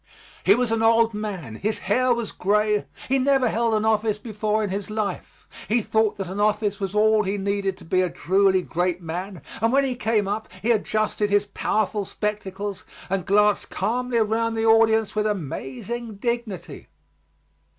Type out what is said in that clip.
He was an old man, his hair was gray; he never held an office before in his life. He thought that an office was all he needed to be a truly great man, and when he came up he adjusted his powerful spectacles and glanced calmly around the audience with amazing dignity.